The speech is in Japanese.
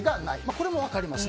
これも分かります。